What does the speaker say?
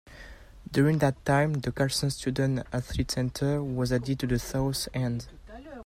During that time the Carson Student Athlete Center was added to the south end.